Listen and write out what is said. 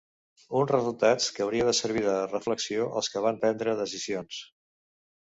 Uns resultats que hauria de servir de ‘reflexió als que van prendre decisions’.